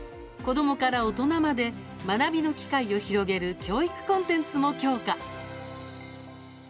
子どもから大人まで学びの機会を広げる教育コンテンツも強化。